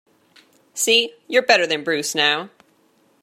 See! You’re better than Bruce now.